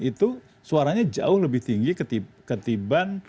itu suaranya jauh lebih tinggi ketiban